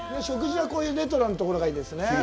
食事は、こういうレトロなところがいいですね。